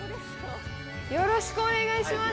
よろしくお願いします。